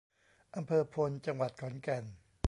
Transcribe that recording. อำเภอพล จังหวัดขอนแก่น